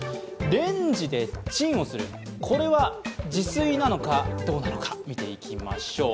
レンジでチンをする、これは自炊なのかどうなのか、見ていきましょう。